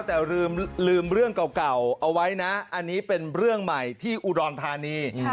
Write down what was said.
แต่ลืมเรื่องเก่าเอาไว้นะอันนี้เป็นเรื่องใหม่ที่อุดรธานี